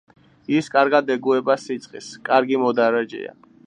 ის კარგად ეგუება სიცხეს, კარგი მოდარაჯეა.